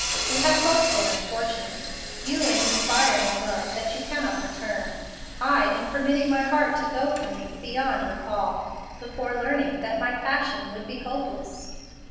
We have both been unfortunate, you in inspiring a love that you cannot return; I in permitting my heart to go from me, beyond recall, before learning that my passion would be hopeless.